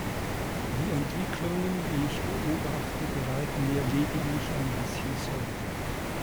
Die Entwicklungen, die ich beobachte, bereiten mir lediglich ein bisschen Sorge.